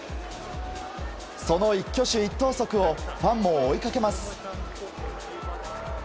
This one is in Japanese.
その一挙手一投足をファンも追いかけます。